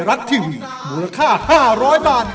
บอกพี่เลย